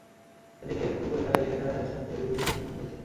এদিন দুপুরে মেলায় গিয়ে দেখা যায়, দর্শনার্থীরা ঘুরে ঘুরে বিভিন্ন পণ্য দেখছেন।